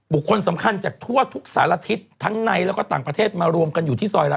บุคคลสำคัญจากทั่วทุกสารทิศทั้งในแล้วก็ต่างประเทศมารวมกันอยู่ที่ซอยละ